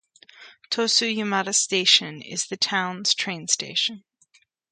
Tosa-Yamada Station is the town's train station.